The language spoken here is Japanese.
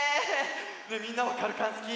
ねえみんなもかるかんすき？